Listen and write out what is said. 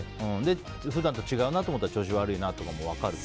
普段と違うなと思ったら調子が悪いなとかも分かると。